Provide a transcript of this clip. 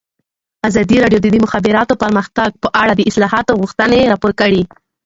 ازادي راډیو د د مخابراتو پرمختګ په اړه د اصلاحاتو غوښتنې راپور کړې.